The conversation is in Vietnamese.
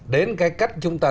đến cái cách chúng ta